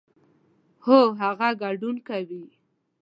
هو، هغه ګډون کوي